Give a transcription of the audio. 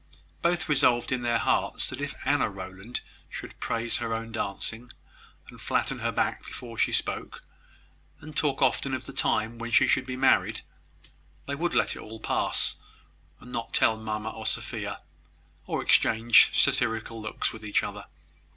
Both resolved in their hearts that if Anna Rowland should praise her own dancing, and flatten her back before she spoke, and talk often of the time when she should be married, they would let it all pass, and not tell mamma or Sophia, or exchange satirical looks with each other.